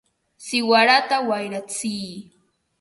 ¡siwarata wayratsiy!